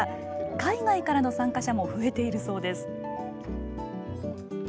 海外からの参加者も増えているそうです。